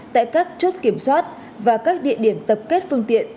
tại các chốt kiểm soát và các địa điểm tập kết phương tiện